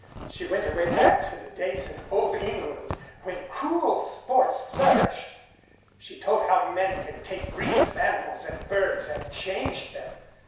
She went away back to the days in old England, when cruel sports flourished. She told how men can take breeds of animals and birds and change them.